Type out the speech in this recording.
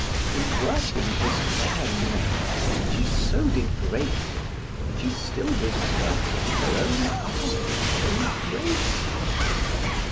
In working his fair neck she did so grace it, She still was working her own arms t' embrace it.